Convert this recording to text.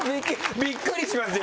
びっくりしますよ！